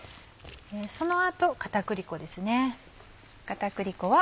その後片栗粉ですね。